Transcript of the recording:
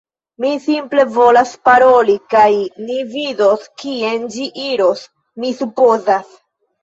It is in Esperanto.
Mi simple volas paroli kaj ni vidos kien ĝi iros, mi supozas.